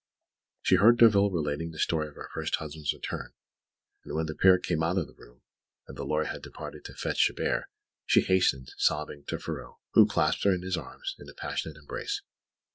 She heard Derville relating the story of her first husband's return; and when the pair came out of the room, and the lawyer had departed to fetch Chabert, she hastened, sobbing, to Ferraud, who clasped her in his arms in a passionate embrace.